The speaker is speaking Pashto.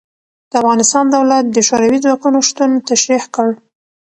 د افغانستان دولت د شوروي ځواکونو شتون تشرېح کړ.